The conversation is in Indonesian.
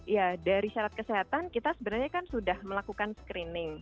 ya dari syarat kesehatan kita sebenarnya kan sudah melakukan screening